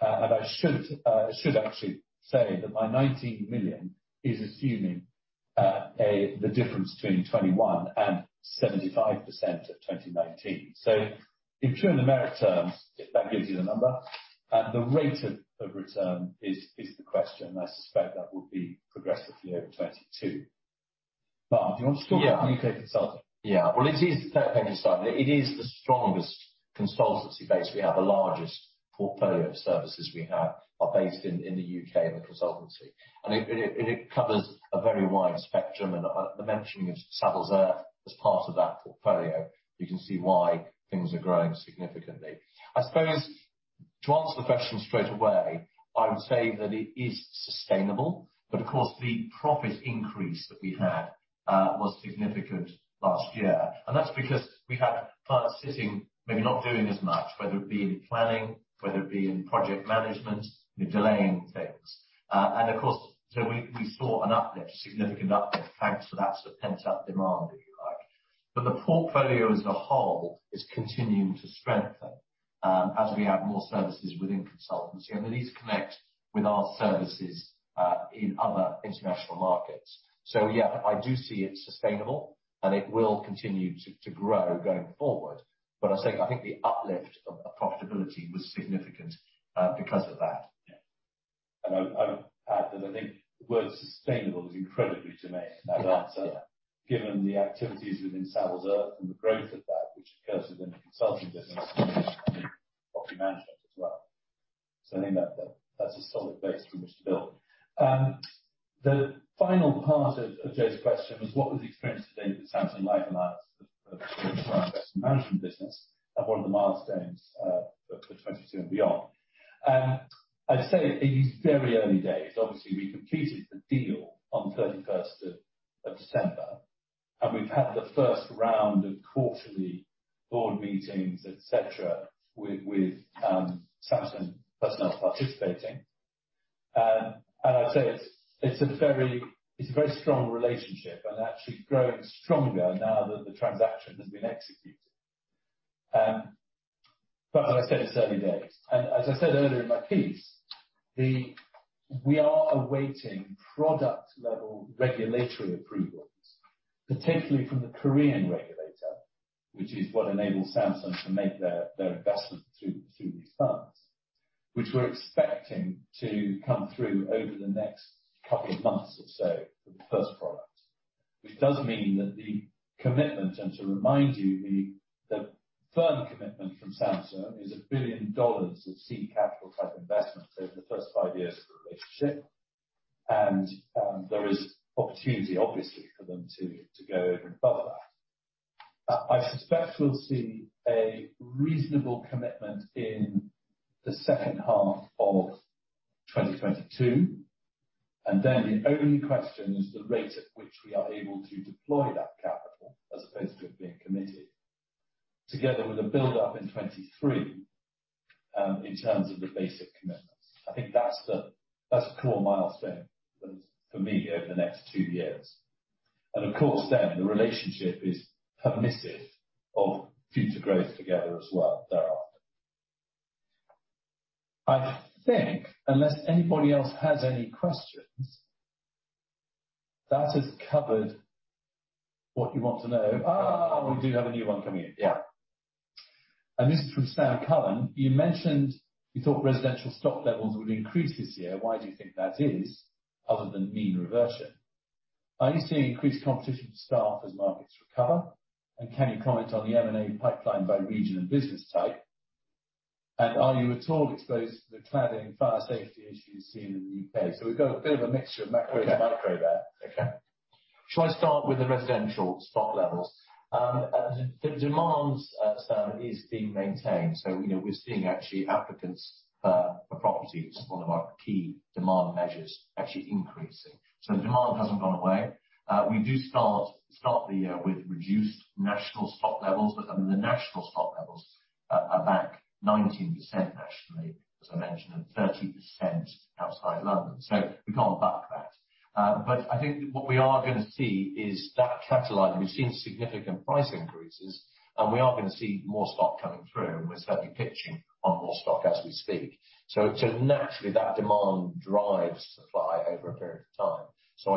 I should actually say that my 19 million is assuming the difference between 2021 and 75% of 2019. In true numeric terms, that gives you the number, and the rate of return is the question. I suspect that would be progressively over 2022. Mark, do you want to talk about U.K. Consultancy? Well, it is to start with, it is the strongest consultancy base. We have the largest portfolio of services we have are based in the U.K. in Consultancy. It covers a very wide spectrum. The mentioning of Savills Earth as part of that portfolio, you can see why things are growing significantly. I suppose to answer the question straight away, I would say that it is sustainable, but of course, the profit increase that we had was significant last year, and that's because we had clients sitting, maybe not doing as much, whether it be in planning, whether it be in project management, you know, delaying things. Of course, we saw an uplift, significant uplift, thanks to that sort of pent-up demand, if you like. The portfolio as a whole is continuing to strengthen, as we add more services within Consultancy, and these connect with our services in other international markets. Yeah, I do see it sustainable, and it will continue to grow going forward. I think the uplift of profitability was significant, because of that. Yeah. I'll add that I think the word sustainable is incredibly apt to make that answer, given the activities within Savills Earth and the growth of that which occurs within the consulting business and property management as well. I think that's a solid base from which to build. The final part of Joe's question was what was the experience to date with Samsung Life Alliance investment management business and what are the milestones for 2022 and beyond? I'd say it is very early days. Obviously, we completed the deal on 31st of December, and we've had the first round of quarterly board meetings, et cetera, with Samsung personnel participating. I'd say it's a very strong relationship and actually growing stronger now that the transaction has been executed. as I said, it's early days. As I said earlier in my piece, we are awaiting product-level regulatory approval. Potentially from the Korean regulator, which is what enables Samsung to make their investment through these funds, which we're expecting to come through over the next couple of months or so for the first product. Which does mean that the commitment, and to remind you, the firm commitment from Samsung is $1 billion of seed capital type investment over the first five years of the relationship. There is opportunity, obviously, for them to go over and above that. I suspect we'll see a reasonable commitment in the second half of 2022, and then the only question is the rate at which we are able to deploy that capital as opposed to it being committed, together with a build-up in 2023, in terms of the basic commitments. I think that's a core milestone for me over the next two years. Of course, then the relationship is permissive of future growth together as well thereafter. I think unless anybody else has any questions, that has covered what you want to know. We do have a new one coming in. Yeah. This is from Sam Cullen. You mentioned you thought residential stock levels would increase this year. Why do you think that is, other than mean reversion? Are you seeing increased competition for staff as markets recover? Can you comment on the M&A pipeline by region and business type? Are you at all exposed to the cladding fire safety issues here in the U.K.? We've got a bit of a mixture of macro and micro there. Okay. Shall I start with the residential stock levels? The demand, Sam, is being maintained. You know, we're seeing actually applicants for properties, one of our key demand measures, actually increasing. Demand hasn't gone away. We do start the year with reduced national stock levels, but then the national stock levels are back 19% nationally, as I mentioned, and 30% outside London. We can't buck that. But I think what we are gonna see is that catalyst. We've seen significant price increases, and we are gonna see more stock coming through, and we're certainly pitching on more stock as we speak. Naturally, that demand drives supply over a period of time.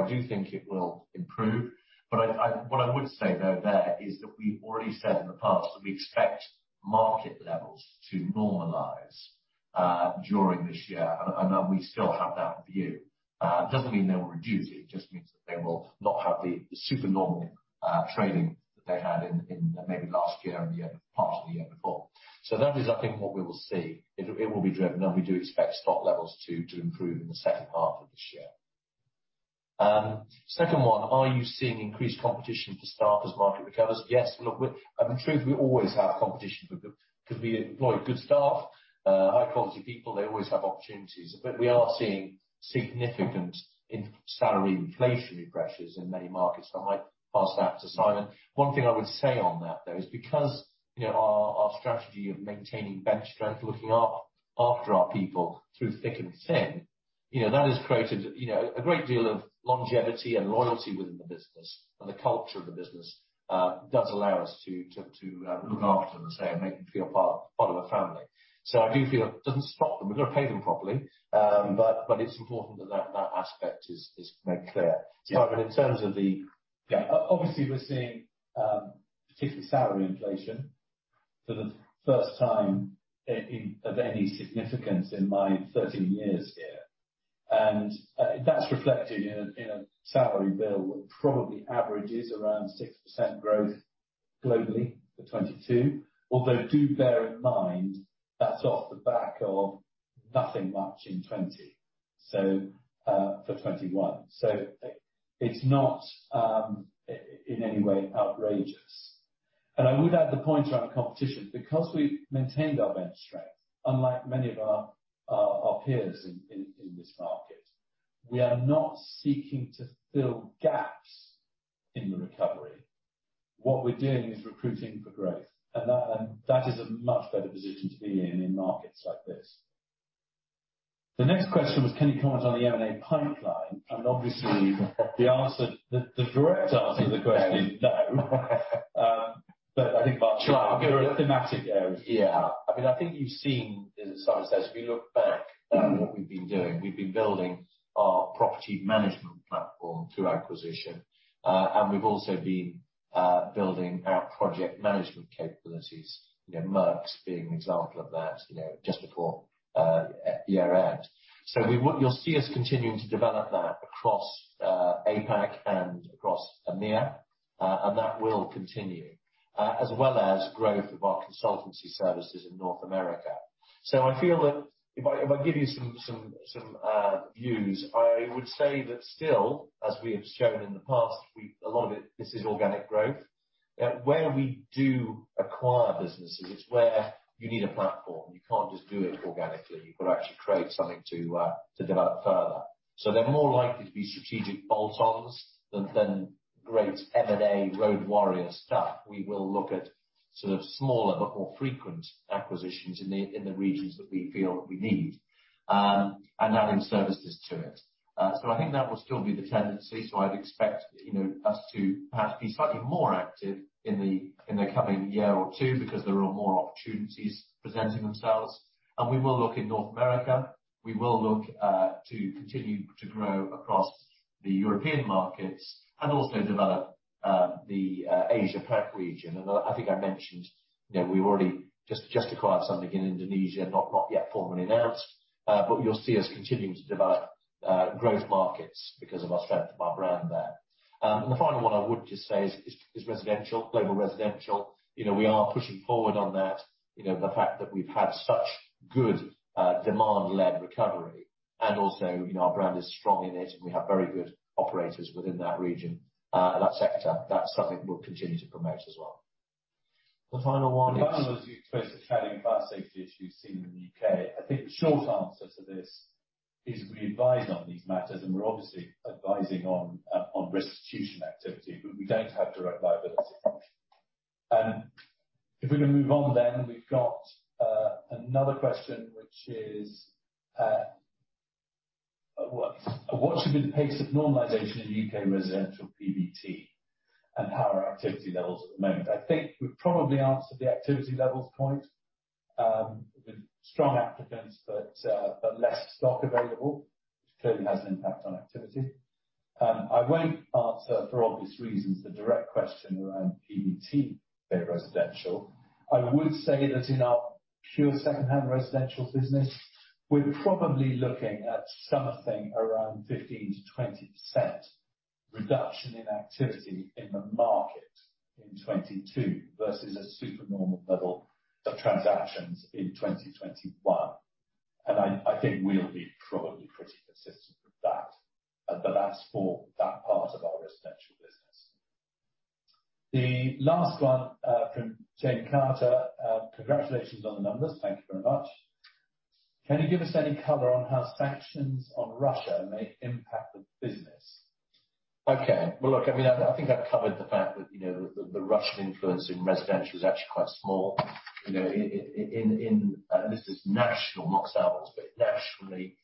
I do think it will improve, but what I would say, though, there is that we've already said in the past that we expect market levels to normalize during this year. We still have that view. It doesn't mean they will reduce it just means that they will not have the super normal trading that they had in maybe last year and parts of the year before. That is, I think, what we will see. It will be driven, and we do expect stock levels to improve in the second half of this year. Second one, are you seeing increased competition for staff as market recovers? Yes. Look, in truth, we always have competition for good staff 'cause we employ good staff, high quality people, they always have opportunities. We are seeing significant inflationary salary pressures in many markets, so I might pass that to Simon. One thing I would say on that, though, is because, you know, our strategy of maintaining bench strength, looking after our people through thick and thin, you know, that has created, you know, a great deal of longevity and loyalty within the business, and the culture of the business does allow us to look after them, as I say, and make them feel part of a family. I do feel it doesn't stop them. We've got to pay them properly. But it's important that that aspect is made clear. Yeah. Simon, in terms of the. Yeah. Obviously we're seeing particularly salary inflation for the first time of any significance in my 13 years here. That's reflected in a salary bill that probably averages around 6% growth globally for 2022. Although do bear in mind, that's off the back of nothing much in 2020 for 2021. It's not in any way outrageous. I would add the point around competition, because we maintained our bench strength, unlike many of our peers in this market, we are not seeking to fill gaps in the recovery. What we're doing is recruiting for growth, and that is a much better position to be in markets like this. The next question was, can you comment on the M&A pipeline? Obviously the answer, the direct answer to the question is no. But I think Mark will give a thematic area. Yeah. I mean, I think you've seen, as Simon says, if you look back at what we've been doing, we've been building our property management platform through acquisition. We've also been building our project management capabilities. You know, Merx being an example of that, you know, just before year end. What you'll see us continuing to develop that across APAC and across EMEA, and that will continue, as well as growth of our consultancy services in North America. I feel that if I give you some views, I would say that still, as we have shown in the past, a lot of it, this is organic growth. Where we do acquire businesses, it's where you need a platform. You can't just do it organically. You've got to actually create something to develop further. They're more likely to be strategic bolt-ons than great M&A road warrior stuff. We will look at sort of smaller but more frequent acquisitions in the regions that we feel we need and adding services to it. I think that will still be the tendency, so I'd expect, you know, us to perhaps be slightly more active in the coming year or two because there are more opportunities presenting themselves. We will look in North America. We will look to continue to grow across the European markets and also develop the Asia Pac region. I think I mentioned, you know, we've already just acquired something in Indonesia, not yet formally announced. You'll see us continuing to develop growth markets because of our strength of our brand there. The final one I would just say is residential, global residential. You know, we are pushing forward on that. You know, the fact that we've had such good demand-led recovery and also, you know, our brand is strong in it, and we have very good operators within that region, that sector, that's something we'll continue to promote as well. The final one is. The final one is exposed to cladding fire safety issues seen in the U.K. I think the short answer to this is we advise on these matters, and we're obviously advising on restitution activity, but we don't have direct liability. If we can move on, we've got another question which is, what should be the pace of normalization in U.K. residential PBT, and how are activity levels at the moment? I think we've probably answered the activity levels point, with strong applicants, but less stock available, which clearly has an impact on activity. I won't answer, for obvious reasons, the direct question around PBT residential. I would say that in our pure second-hand residential business, we're probably looking at something around 15%-20% reduction in activity in the market in 2022 versus a supernormal level of transactions in 2021. I think we'll be probably pretty consistent with that. That's for that part of our residential business. The last one, from Jane Carter. Congratulations on the numbers. Thank you very much. Can you give us any color on how sanctions on Russia may impact the business? Okay. Well, look, I mean, I think I've covered the fact that, you know, the Russian influence in residential is actually quite small. You know, in, and this is national, not Savills, but nationally.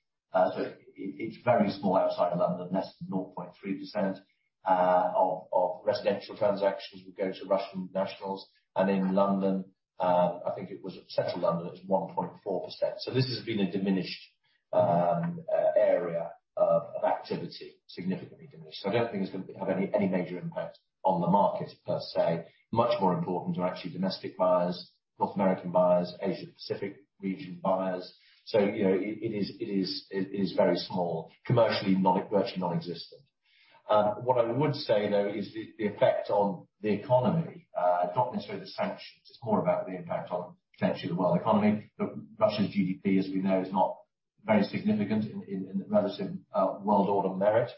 It's very small outside of London. Less than 0.3% of residential transactions would go to Russian nationals. In London, I think it was central London, it was 1.4%. This has been a diminished area of activity, significantly diminished. I don't think it's gonna have any major impact on the market per se. Much more important to actually domestic buyers, North American buyers, Asia Pacific region buyers. You know, it is very small. Commercially virtually non-existent. What I would say, though, is the effect on the economy, not necessarily the sanctions. It's more about the impact on potentially the world economy. Russia's GDP, as we know, is not very significant in the relative world order merit.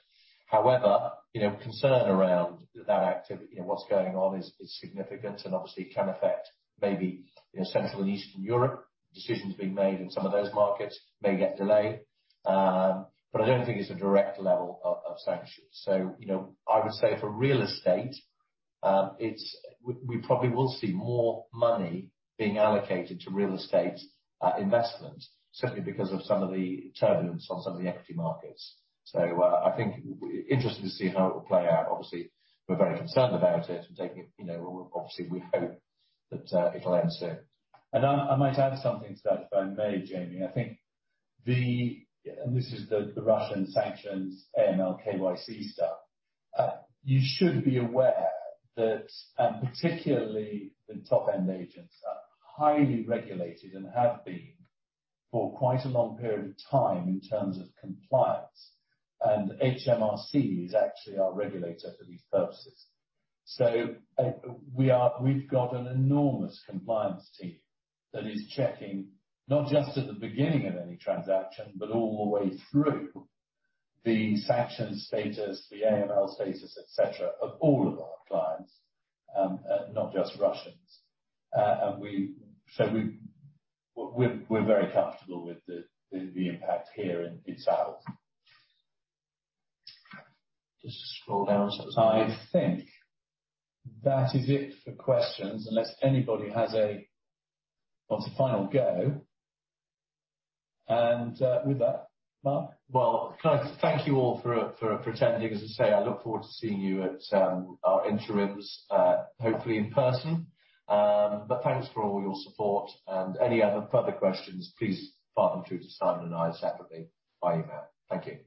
However, you know, concern around that activity and what's going on is significant and obviously can affect maybe, you know, Central and Eastern Europe. Decisions being made in some of those markets may get delayed. I don't think it's a direct level of sanctions. You know, I would say for real estate, we probably will see more money being allocated to real estate investment simply because of some of the turbulence on some of the equity markets. I think it's interesting to see how it will play out. Obviously, we're very concerned about it and taking it. You know, obviously, we hope that it'll end soon. I might add something to that, if I may, Jane. I think this is the Russian sanctions, AML, KYC stuff. You should be aware that particularly the top-end agents are highly regulated and have been for quite a long period of time in terms of compliance, and HMRC is actually our regulator for these purposes. We've got an enormous compliance team that is checking not just at the beginning of any transaction, but all the way through the sanctions status, the AML status, et cetera, of all of our clients, not just Russians. We're very comfortable with the impact here in Savills. Just scroll down so it's- I think that is it for questions, unless anybody wants a final go. With that, Mark? Well, can I thank you all for attending. As I say, I look forward to seeing you at our interims, hopefully in person. Thanks for all your support and any other further questions, please fire them through to Simon and I separately via email. Thank you.